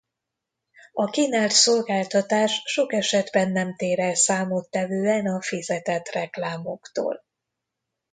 A kínált szolgáltatás sok esetben nem tér el számottevően a fizetett reklámoktól.